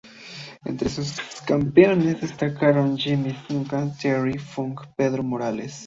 Entre sus campeones destacaron Jimmy Snuka, Terry Funk, Pedro Morales.